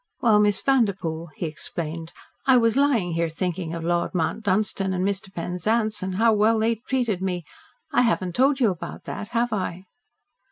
"Well, Miss Vanderpoel," he explained, "I was lying here thinking of Lord Mount Dunstan and Mr. Penzance, and how well they treated me I haven't told you about that, have I?